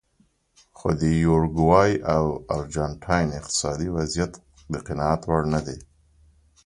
خو د یوروګوای او ارجنټاین اقتصادي وضعیت د قناعت وړ نه دی.